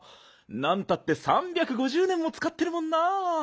なんたって３５０年もつかってるもんな。